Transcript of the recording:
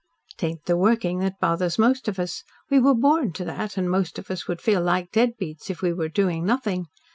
"'Tain't the working that bothers most of us. We were born to that, and most of us would feel like deadbeats if we were doing nothing.